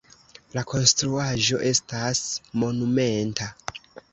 La konstruaĵo estas monumenta.